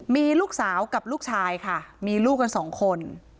มีลูกสาวกับลูกชายค่ะมีลูกกันสองคน